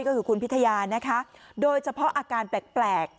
ก็คือคุณพิทยานะคะโดยเฉพาะอาการแปลก